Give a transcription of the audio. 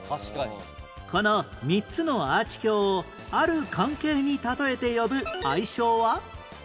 この３つのアーチ橋をある関係に例えて呼ぶ愛称は？